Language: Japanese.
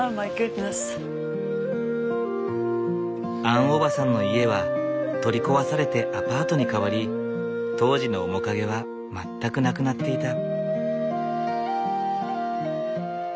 アンおばさんの家は取り壊されてアパートに変わり当時の面影は全くなくなっていた。